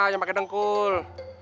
jangan pakai dengkul